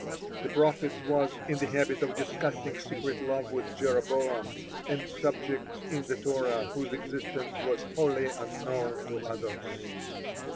The prophet was in the habit of discussing secret love with Jeroboam and subjects in the Torah whose existence was wholly unknown to others.